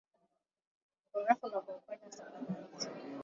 kwa urefu na kwa upana Saba kati